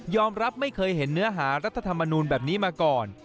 รับไม่เคยเห็นเนื้อหารัฐธรรมนูลแบบนี้มาก่อน